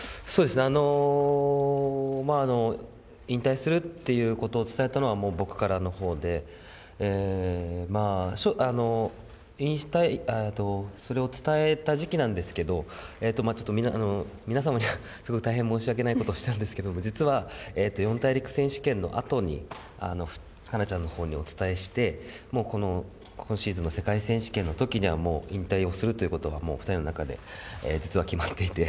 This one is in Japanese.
引退するっていうことを伝えたのは、僕からのほうでそれを伝えた時期なんですけど、ちょっと皆様には大変申し訳ないことをしたんですけど、実は四大陸選手権のあとに、かなちゃんのほうにお伝えして、今シーズンの世界選手権のときには、もう引退をするということが、２人の中で実は決まっていて。